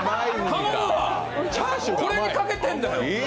これにかけてるんだよ。